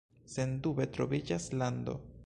Sendube troviĝas lando.“